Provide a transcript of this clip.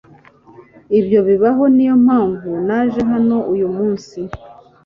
Ibyo bibaho niyo mpamvu naje hano uyu munsi.